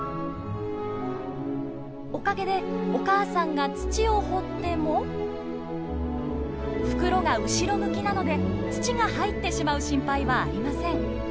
おかげでお母さんが土を掘っても袋が後ろ向きなので土が入ってしまう心配はありません。